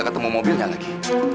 ketemu mobilnya lagi